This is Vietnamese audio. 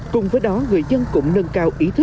cùng với đó người dân cũng nâng cao